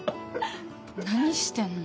何してんの？